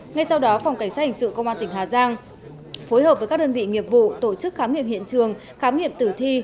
ngay sau đó phòng cảnh sát hình sự công an tỉnh hà giang phối hợp với các đơn vị nghiệp vụ tổ chức khám nghiệm hiện trường khám nghiệm tử thi